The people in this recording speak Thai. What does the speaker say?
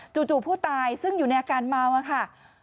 จู่ผู้ตายซึ่งอยู่ในอาการเมาอะค่ะ